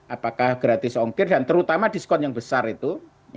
apakah gratis ongkir dan terutama diskon yang besar itu